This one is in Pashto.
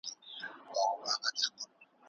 دیني شعور انسان ته د ژوند کولو حقیقي مانا وښودله.